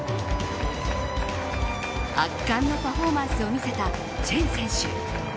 圧巻のパフォーマンスを見せたチェン選手。